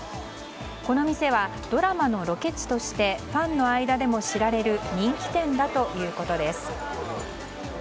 この店はドラマのロケ地としてファンの間でも知られる人気店だということです。